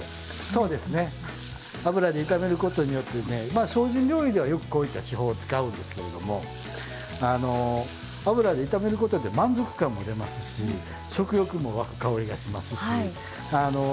そうですね油で炒めることによってねまあ精進料理ではよくこういった手法を使うんですけれどもあの油で炒めることで満足感も出ますし食欲も湧く香りがしますしあの何て言うんでしょう